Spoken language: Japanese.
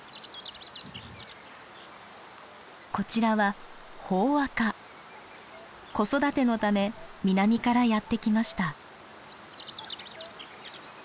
こちらは子育てのため南からやって来ました。